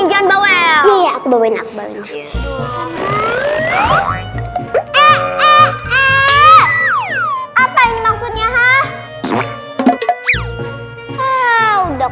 kalian semua bawain kopernya prinsip dia